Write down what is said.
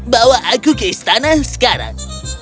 bawa aku ke istana sekarang